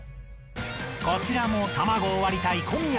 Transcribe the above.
［こちらも卵を割りたい］